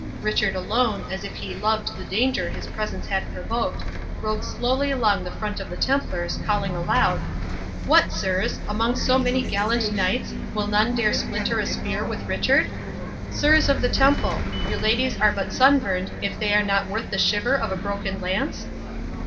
Richard alone, as if he loved the danger his presence had provoked, rode slowly along the front of the Templars, calling aloud, "What, sirs! Among so many gallant knights, will none dare splinter a spear with Richard?—Sirs of the Temple! your ladies are but sun burned, if they are not worth the shiver of a broken lance?"